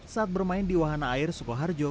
saat bermain di wahana air sukoharjo